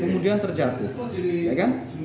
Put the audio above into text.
kemudian terjatuh ya kan